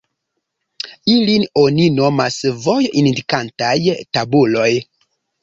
Ilin oni nomas voj-indikantaj tabuloj.